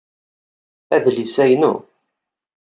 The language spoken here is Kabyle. Adlis-a inu.